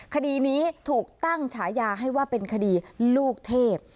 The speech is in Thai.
คดีนี้ถูกตั้งฉายาให้ว่าเป็นคดีลูกเทพ